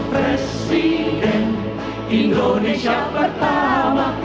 presiden indonesia pertama